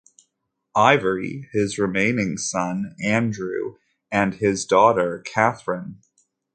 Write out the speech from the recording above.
Ivory; his remaining son, Andrew; and his daughter, Katherine.